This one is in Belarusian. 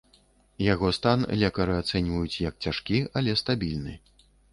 Яго стан лекары ацэньваюць як цяжкі, але стабільны.